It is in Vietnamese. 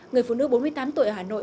người phụ nữ bốn mươi tám tuổi ở hà nội